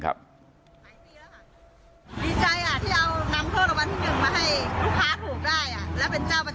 เมื่อที่๔แล้ว